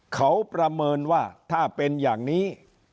เขาประเมินว่าถ้าเป็นอย่างนี้